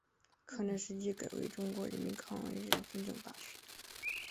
抗战时期改为中国人民抗日军政大学。